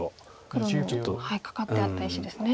黒のカカってあった石ですね。